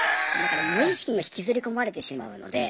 無意識に引きずり込まれてしまうので。